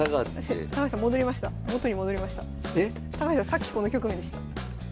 さっきこの局面でした。